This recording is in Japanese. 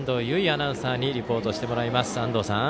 アナウンサーにリポートしてもらいます。